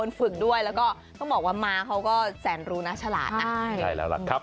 นึ่งสองสามสี่